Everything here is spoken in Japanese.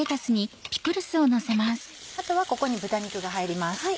あとはここに豚肉が入ります。